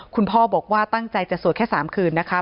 คุณพ่อบอกว่าตั้งใจจะสวดแค่๓คืนนะคะ